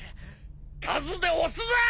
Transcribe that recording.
数で押すぞ！